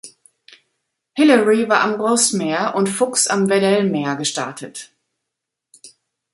Hillary war am Rossmeer und Fuchs am Weddell-Meer gestartet.